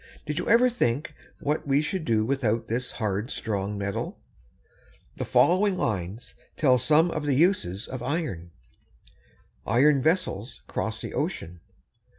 Did you ever think what we should do without this hard, strong metal? The following lines tell some of the uses of iron: [Illustration: IRON MINE.] Iron vessels cross the ocean.